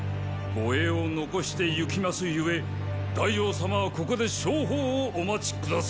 護衛を残して行きます故大王様はここで勝報をお待ち下さい！